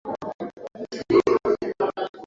Wa elfu moja mia tisa themanini na tisa